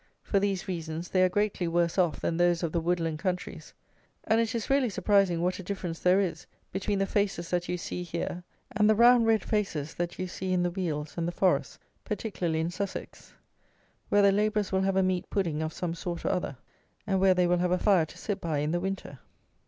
For these reasons they are greatly worse off than those of the woodland countries; and it is really surprising what a difference there is between the faces that you see here and the round, red faces that you see in the wealds and the forests, particularly in Sussex, where the labourers will have a meat pudding of some sort or other; and where they will have a fire to sit by in the winter.